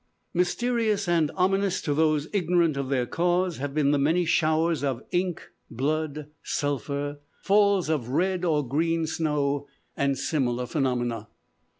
Mysterious and ominous to those ignorant of their cause have been the many showers of "ink, blood, sulphur," falls of red or green snow, and similar phenomena.